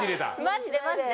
マジでマジで。